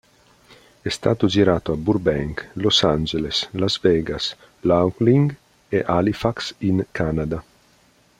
È stato girato a Burbank, Los Angeles, Las Vegas, Laughlin, e Halifax in Canada.